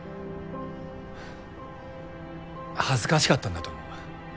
恥ずかしかったんだと思う。